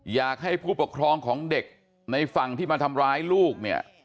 อยากให้ผู้ปกครองของเด็กในฝั่งที่มาทำร้ายลูกเนี่ย